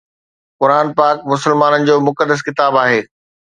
قرآن پاڪ مسلمانن جو مقدس ڪتاب آهي